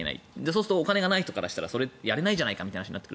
そうするとお金がない人からしたらやれないじゃないかと。